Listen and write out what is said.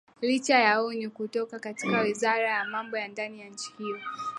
licha ya onyo kutoka katika wizara ya mambo ya ndani ya nchi hiyo